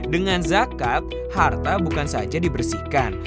dengan zakat harta bukan saja dibersihkan